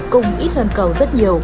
cùng ít hơn cầu rất nhiều